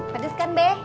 pedes kan be